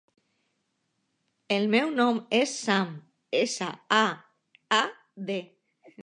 El meu nom és Saad: essa, a, a, de.